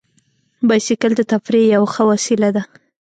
بایسکل د تفریح یوه ښه وسیله ده.